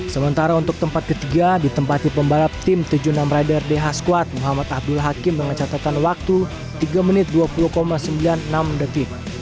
sementara untuk tempat ketiga ditempati pembalap tim tujuh puluh enam rider dh squad muhammad abdul hakim dengan catatan waktu tiga menit dua puluh sembilan puluh enam detik